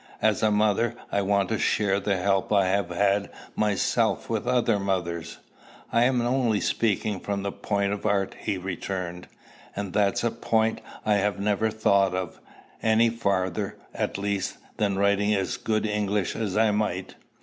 "As a mother, I want to share the help I have had myself with other mothers." "I am only speaking from the point of art," he returned. "And that's a point I have never thought of; any farther, at least, than writing as good English as I might."